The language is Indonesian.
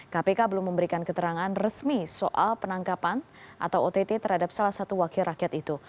kpk belum memberikan keterangan resmi soal penangkapan atau ott terhadap salah satu wakil rakyat itu